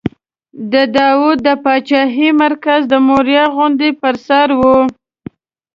د داود د پاچاهۍ مرکز د موریا غونډۍ پر سر و.